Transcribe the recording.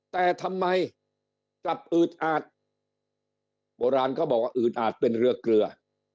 แต่ทำไมกลับอืดอาดโบราณเขาบอกว่าอืดอาจเป็นเรือเกลือ